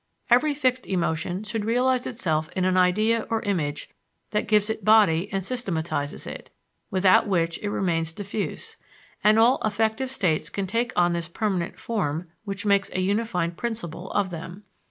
Every fixed emotion should realize itself in an idea or image that gives it body and systematizes it, without which it remains diffuse; and all affective states can take on this permanent form which makes a unified principle of them.